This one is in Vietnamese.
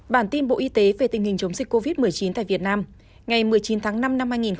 bản tin bộ y tế về tình hình chống dịch covid một mươi chín tại việt nam ngày một mươi chín tháng năm năm hai nghìn hai mươi